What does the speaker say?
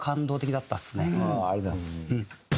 ありがとうございます。